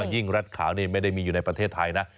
รัฐขาวนี่ไม่ได้มีอยู่ในประเทศไทยนะ